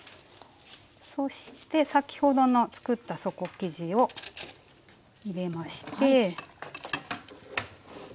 そして先ほどの作った底生地を入れまして。